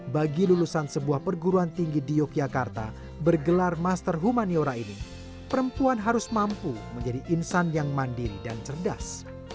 bagi lulusan sebuah perguruan tinggi di yogyakarta bergelar master humaniora ini perempuan harus mampu menjadi insan yang mandiri dan cerdas